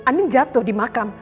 andin jatuh di makam